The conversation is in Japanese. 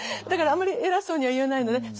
だからあんまり偉そうには言えないので。